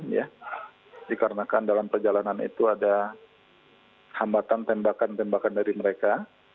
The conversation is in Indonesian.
ya dikarenakan dalam perjalanan itu ada hambatan tembakan tembakan dari mereka